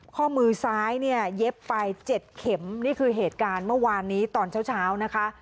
ข้อมือซ้ายเนี่ยเย็บไป๗เข็มนี่คือเหตุการณ์เมื่อวานนี้ตอนเช้านะคะ